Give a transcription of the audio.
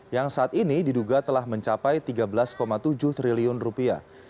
yang saat ini diduga telah mencapai tiga belas tujuh triliun rupiah